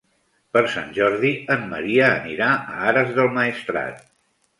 Per Sant Jordi en Maria anirà a Ares del Maestrat.